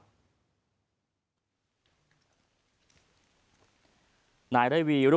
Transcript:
เป็นแบบไหนคะ